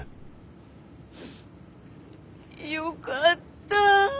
よかった。